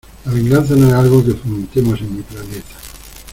La venganza no es algo que fomentemos en mi planeta.